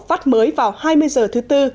phát mới vào hai mươi h thứ tư